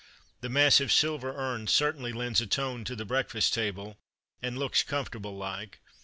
The massive silver urn certainly lends a tone to the breakfast table, and looks "comfortable like."